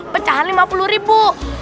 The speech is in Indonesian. pecahan lima puluh ribu